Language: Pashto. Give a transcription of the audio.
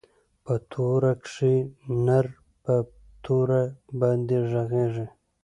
په توره کښې نر په توره باندې ږغېږي.